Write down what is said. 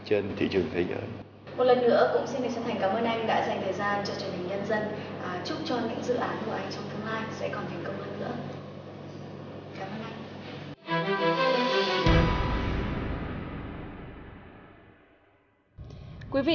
trên thị trường thế giới